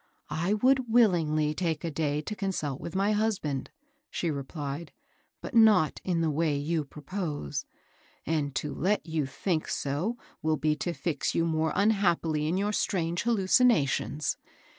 ^^I would willingly take a day to consult with my husband," she replied; ^^but not in the way you propose ; and to let you think so will be to fix you more unhappily in your strange halludnations.